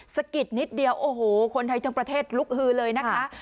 สะกิดนิดเดียวโอ้โหคนไทยทั้งประเทศลุกฮือเลยนะคะ